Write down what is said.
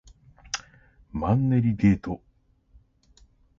マンネリデート